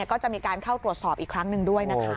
ก็จะมีการเข้าตรวจสอบอีกครั้งหนึ่งด้วยนะคะ